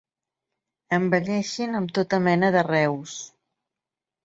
Embelleixin amb tota mena d'arreus.